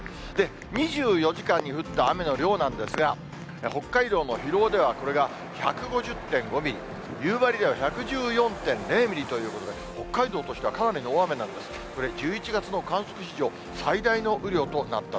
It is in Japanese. ２４時間に降った雨の量なんですが、北海道の広尾ではこれが１５０．５ミリ、夕張では１１４．０ミリということで、北海道としてはかなりの大雨になりました。